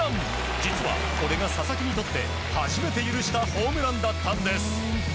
実は、これが佐々木にとって初めて許したホームランだったんです。